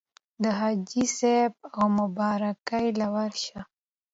د حاجي صېب اومبارکۍ له ورشه